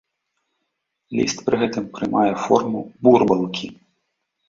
Ліст пры гэтым прымае форму бурбалкі.